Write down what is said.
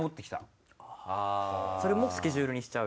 それもスケジュールにしちゃう。